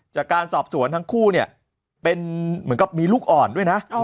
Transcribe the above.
จากการสอบสวนทั้งคู่เนี่ยเป็นเหมือนกับมีลูกอ่อนด้วยนะ